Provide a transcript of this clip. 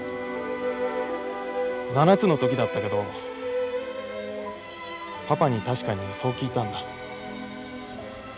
７つの時だったけどパパに確かにそう聞いたんだ。